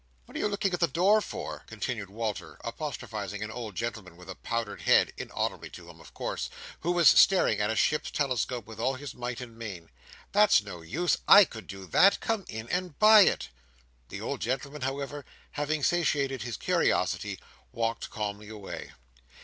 What are you looking in at the door for?—" continued Walter, apostrophizing an old gentleman with a powdered head (inaudibly to him of course), who was staring at a ship's telescope with all his might and main. "That's no use. I could do that. Come in and buy it!" The old gentleman, however, having satiated his curiosity, walked calmly away.